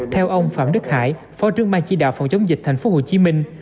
theo ông phạm đức hải phó trương bang chỉ đạo phòng chống dịch thành phố hồ chí minh